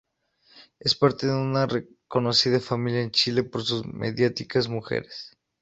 Es parte de una reconocida familia en Chile por sus mediáticas mujeres.